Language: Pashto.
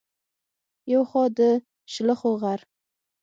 يو خوا د شلخو غر